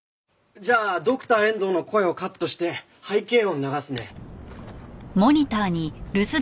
じゃあドクター遠藤の声をカットして背景音流すね。